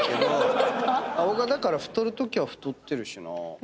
僕はだから太るときは太ってるしなぁ。